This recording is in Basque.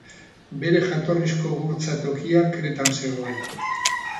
Bere jatorrizko gurtza tokia Kretan zegoen.